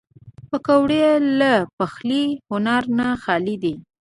پکورې له پخلي هنر نه خالي نه دي